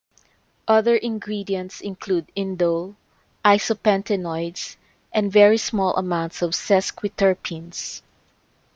Other ingredient include indole, isopentenoids and very small amounts of sesquiterpenes.